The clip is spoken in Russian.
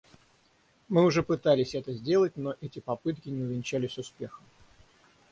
Мы уже пытались это сделать, но эти попытки не увенчались успехом.